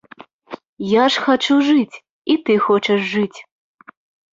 Я ж хачу жыць, і ты хочаш жыць.